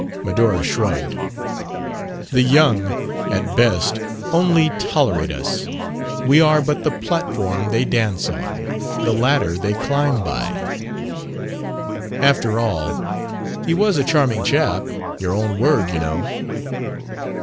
Medora shrugged. "The young, at best, only tolerate us. We are but the platform they dance on, the ladder they climb by." "After all, he was a 'charming' chap. Your own word, you know."